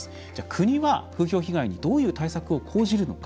国は、風評被害にどういう対策を講じるのか。